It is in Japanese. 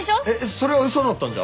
それは嘘だったんじゃ？